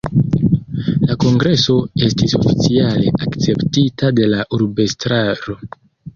La kongreso estis oficiale akceptita de la urbestraro.